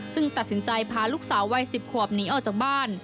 ซึ่งตัดสินใจพาลูกสาววัย๑๐ขวบหนีออกจากบ้าน